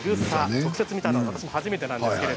直接見たのは初めてです。